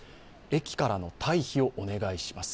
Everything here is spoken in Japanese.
「駅からの退避をお願いします」